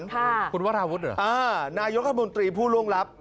คุณวราวุฒิเหรออ่านายกรัฐมนตรีผู้ล่วงลับ